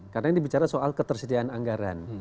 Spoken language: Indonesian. karena ini bicara soal ketersediaan anggaran